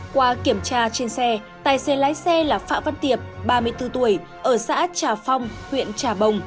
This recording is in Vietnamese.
qua kiểm tra trên xe tài xế lái xe là phạm văn tiệp ba mươi bốn tuổi ở xã trà phong huyện trà bồng